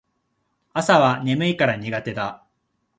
朝は眠いから苦手だ